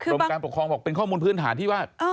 การปกครองบอกเป็นข้อมูลพื้นฐานที่ว่า